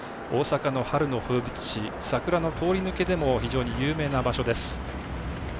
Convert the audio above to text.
大阪の春の風物詩桜の通り抜けでも非常に有名な場所です。